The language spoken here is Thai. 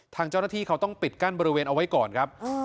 ทางเจ้าหน้าที่เขาต้องปิดกั้นบริเวณเอาไว้ก่อนครับ